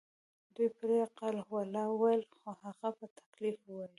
دوی پرې قل هوالله وویلې خو هغه په تکلیف وویل.